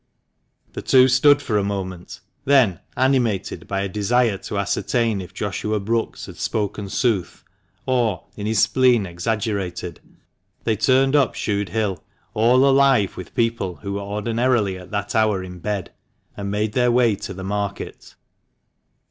" The two stood for a moment ; then, animated by a desire to ascertain if Joshua Brookes had spoken sooth, or, in his spleen exaggerated, they turned up Shudehill, all alive with people who were ordinarily at that hour in bed, and made their way to the market.